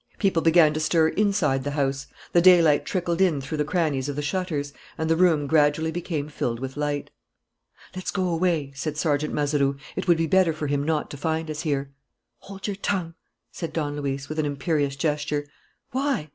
People began to stir inside the house. The daylight trickled in through the crannies of the shutters, and the room gradually became filled with light. "Let's go away," said Sergeant Mazeroux. "It would be better for him not to find us here." "Hold your tongue!" said Don Luis, with an imperious gesture. "Why?"